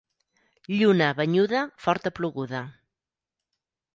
Lluna banyuda, forta ploguda.